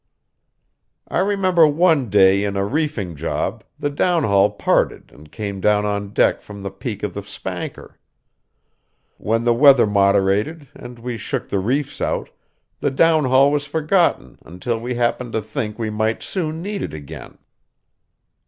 I remember one day in a reefing job, the downhaul parted and came down on deck from the peak of the spanker. When the weather moderated, and we shook the reefs out, the downhaul was forgotten until we happened to think we might soon need it again.